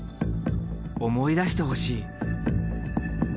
思い出してほしい。